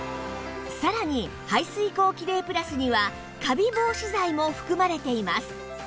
さらに排水口キレイプラスにはカビ防止剤も含まれています